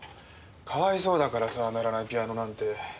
かわいそうだからさ鳴らないピアノなんて。